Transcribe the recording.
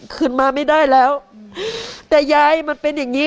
คืนมาไม่ได้แล้วแต่ยายมันเป็นอย่างงี้